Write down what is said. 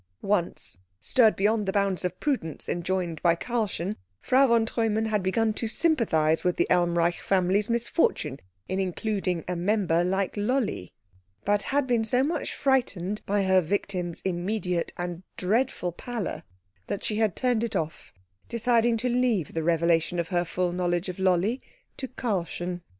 Once, stirred beyond the bounds of prudence enjoined by Karlchen, Frau von Treumann had begun to sympathise with the Elmreich family's misfortune in including a member like Lolli; but had been so much frightened by her victim's immediate and dreadful pallor that she had turned it off, deciding to leave the revelation of her full knowledge of Lolli to Karlchen.